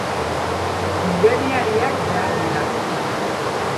Ingeniariak behar dira.